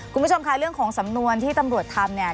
คุณผู้ชมค่ะเรื่องของสำนวนที่ตำรวจทำเนี่ย